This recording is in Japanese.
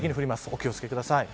お気を付けください。